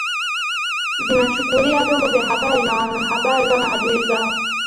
zinachukulia vyombo vya habari na wanahabari kama adui zao